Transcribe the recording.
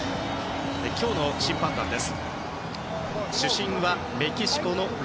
今日の審判団です。